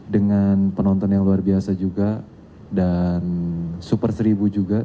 dengan penonton yang luar biasa juga dan super seribu juga